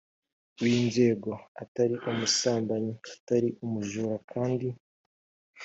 w inzoga atari umusambanyi atari umujura kandi